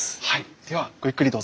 ではごゆっくりどうぞ。